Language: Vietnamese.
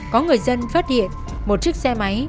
có người dân phát hiện một chiếc xe máy